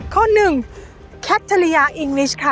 ข้อหนึ่งคัตริยาอิงกลิสต์ค่ะ